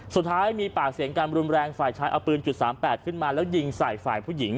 สุดท้ายมีปากเสียงกันรุนแรงฝ่ายชายเอาปืนจุด๓๘ขึ้นมาแล้วยิงใส่ฝ่ายผู้หญิง